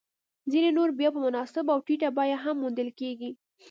ځیني نور بیا په مناسبه او ټیټه بیه هم موندل کېږي